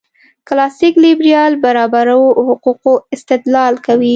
کلاسیک لېبرال برابرو حقوقو استدلال کوي.